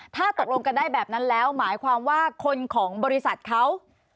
ถ้าตกลงกันได้แบบนั้นแล้วหมายความว่าคนของบริษัทเขา